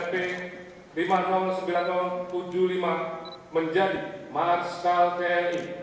pertemuan tahun dua ribu empat belas dua ribu sembilan belas